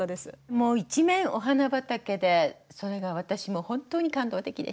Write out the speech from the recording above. もう一面お花畑でそれが私も本当に感動的でした。